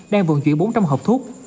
đang vận chuyển bốn trăm linh hộp thuốc